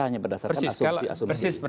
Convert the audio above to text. hanya berdasarkan asumsi asumsi